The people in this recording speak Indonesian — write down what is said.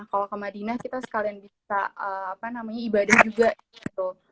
kalau ke madinah kita sekalian bisa ibadah juga gitu